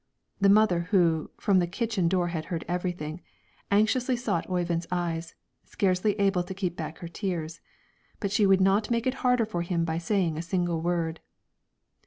The mother who, from the kitchen door had heard everything, anxiously sought Oyvind's eyes, scarcely able to keep back her tears, but she would not make it harder for him by saying a single word.